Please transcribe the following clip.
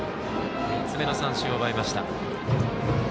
３つ目の三振を奪いました。